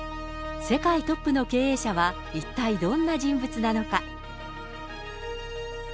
世界トップの経営者は一体どんな人物なのか。